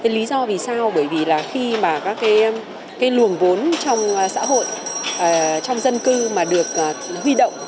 lý do vì sao bởi vì khi các luồng vốn trong xã hội trong dân cư được huy động